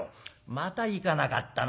また行かなかったな。